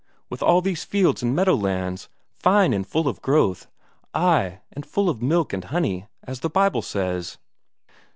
With all these fields and meadow lands, fine and full of growth; ay, and full of milk and honey, as the Bible says."